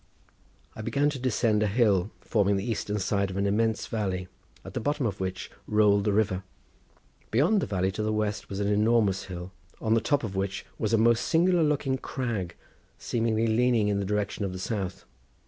I began to ascend a hill forming the eastern side of an immense valley, at the bottom of which rolled the river. Beyond the valley to the west was an enormous hill, on the top of which was a most singular looking crag, seemingly leaning in the direction of the south.